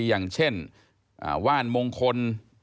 อย่างเช่นว่านมงคล